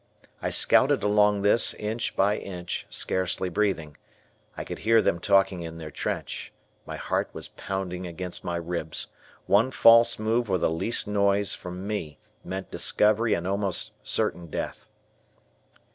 I scouted along this inch by inch, scarcely breathing. I could hear them talking in their trench, my heart was pounding against my ribs. One false move or the least noise from me meant discovery and almost certain death.